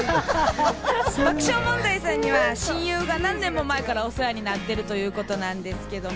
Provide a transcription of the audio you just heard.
爆笑問題さんには親友が何年も前からお世話になっているということなんですけれども。